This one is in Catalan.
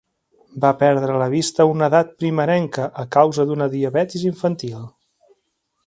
Va perdre la vista a una edat primerenca a causa d'una diabetis infantil.